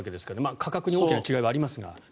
価格に大きな違いはありますが。